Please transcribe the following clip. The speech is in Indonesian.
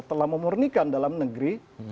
telah memurnikan dalam negeri